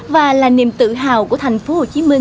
và là niềm tự hào của tp hcm